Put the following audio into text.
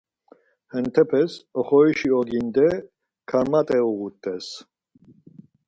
Hentepes oxorişi oginde karmat̆e uǧut̆es.